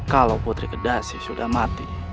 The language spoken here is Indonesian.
kalau putri kedasi sudah mati